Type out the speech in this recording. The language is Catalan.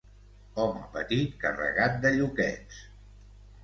Home petit, carregat de lluquets.